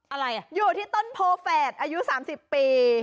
อะไรอ่ะอยู่ที่ต้นโพแฝดอายุ๓๐ปี